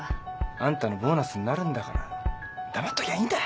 あんたのボーナスになるんだから黙っときゃいいんだよ。